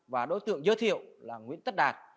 và đối tượng giới thiệu là nguyễn tất đạt